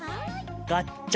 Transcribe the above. ガチャ。